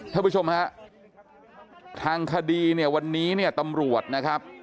ท่านผู้ชมฮะทางคดีเนี่ยวันนี้เนี่ยตำรวจนะครับ